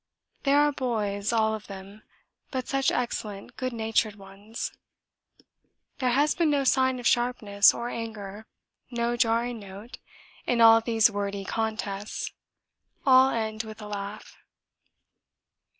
They are boys, all of them, but such excellent good natured ones; there has been no sign of sharpness or anger, no jarring note, in all these wordy contests! all end with a laugh.